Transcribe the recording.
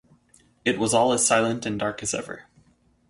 It was all as silent and dark as ever.